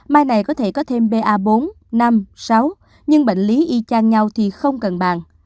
mai này có thể có thêm ba bốn năm sáu nhưng bệnh lý y chan nhau thì không cần bàn